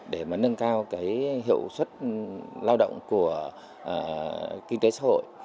để mà nâng cao cái hiệu suất lao động của kinh tế xã hội